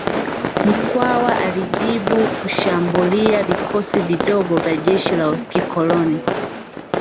Mkwawa alijibu kushambulia vikosi vidogo vya jeshi la kikoloni